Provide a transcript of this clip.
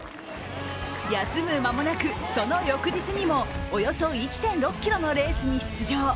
休む間もなく、その翌日にもおよそ１．６ｋｍのレースに出場。